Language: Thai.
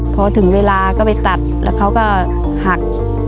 พอถึงเวลาก็ไปตัดแล้วเขาก็หัก